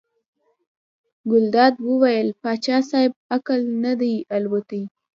ګلداد وویل پاچا صاحب عقل نه دی الوتی.